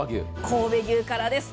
神戸牛からです。